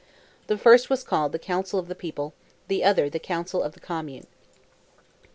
The first was called the Council of the People, the other the Council of the Commune.